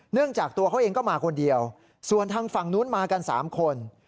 จากตัวเขาเองก็มาคนเดียวส่วนทางฝั่งนู้นมากัน๓คน